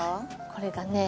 これがね